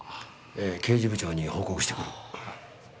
えー刑事部長に報告してくる。